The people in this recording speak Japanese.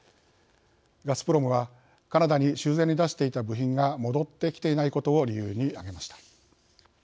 ガスプロムはカナダに修繕に出していた部品が戻ってきていないことを理由に挙げました。